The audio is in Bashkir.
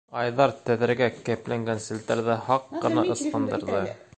Айҙар тәҙрәгә кәпләнгән селтәрҙе һаҡ ҡына ысҡындырҙы.